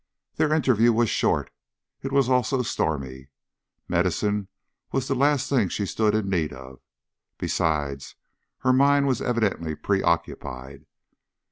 Their interview was short; it was also stormy. Medicine was the last thing she stood in need of; besides, her mind was evidently preoccupied.